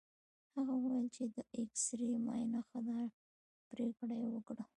هغه وویل چې د اېکسرې معاینه ښه ده، پرېکړه یې وکړه.